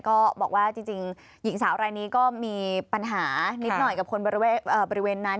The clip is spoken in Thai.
ก็บอกว่าจริงหญิงสาวรายนี้ก็มีปัญหานิดหน่อยกับคนบริเวณนั้น